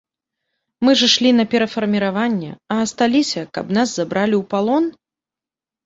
Мы ж ішлі на перафарміраванне, а асталіся, каб нас забралі ў палон?